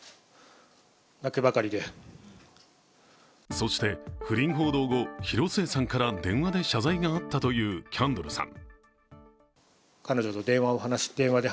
そして、不倫報道後広末さんから電話で謝罪があったというキャンドルさん。